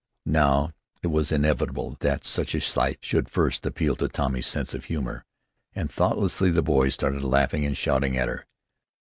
Now it was inevitable that such a sight should first appeal to Tommy's sense of humor, and thoughtlessly the boys started laughing and shouting at her.